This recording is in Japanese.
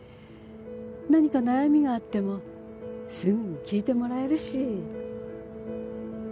何か悩みがあってもすぐに聞いてもらえるし。